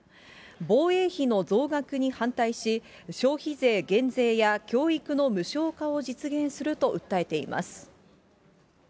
防衛費の増額に反対し、消費税減税や教育の無償化を実現すると訴えています。